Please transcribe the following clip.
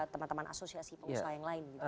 teman teman asosiasi pengusaha yang lain